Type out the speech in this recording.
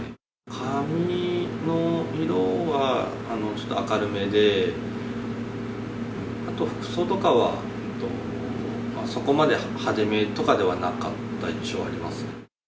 髪の色はちょっと明るめで、あと服装とかは、そこまで派手目とかではなかった印象があります。